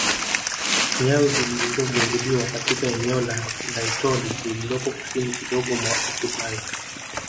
Nyayo zilizogunduliwa katika eneo la Laetoli lililoko kusini kidogo mwa Oltupai